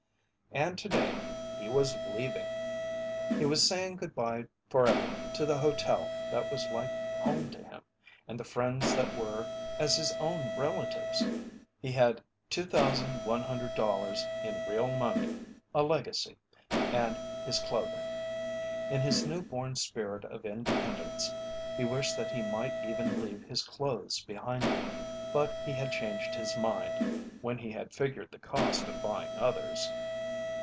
And to day he was leaving! He was saying good bye forever to the hotel that was like home to him and the friends that were as his own relatives! He had $2,100 in real money a legacy and his clothing. In his new born spirit of independence he wished that he might even leave his clothes behind him, but he had changed his mind when he had figured the cost of buying others.